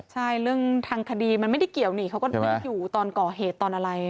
ใช่เรื่องทางคดีมันไม่ได้เกี่ยวนี่เขาก็ไม่ได้อยู่ตอนก่อเหตุตอนอะไร